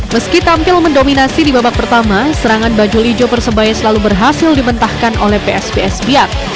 meski tampil mendominasi di babak pertama serangan baju lijo persebaya selalu berhasil dimentahkan oleh psbs biak